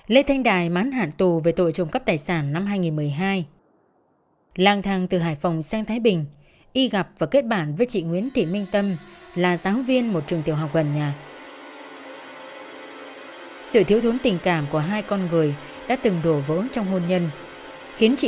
lê thanh đạt cải sát nhân cuồng nộ đã gây ra cái chết cho ba người trong một gia đình